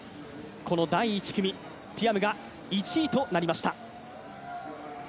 この第１組、ティアムが１位となりました。